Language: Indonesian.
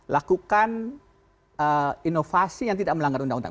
lakukan inovasi yang tidak melanggar undang undang